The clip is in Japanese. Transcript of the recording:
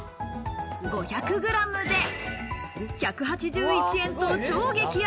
５００グラムで１８１円と超激安。